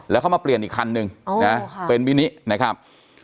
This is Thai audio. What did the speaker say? แล้วเขามาเปลี่ยนอีกคันนึงนะเป็นมินินะครับ